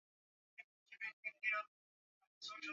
Akiahidi atatenda